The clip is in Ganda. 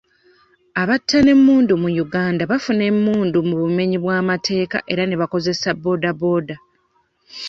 Abatta n'emmundu mu Uganda bafuna emmundu mu bumenyi bw'amateeka era bakoseza booda booda.